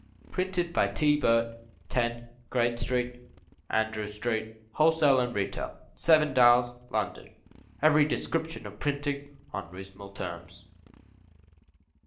Printed by T. Birt, 10, Great St. Andrew Street, Wholesale and Retail, Seven Dials, London. Every Description of Printing on Reasonable Terms.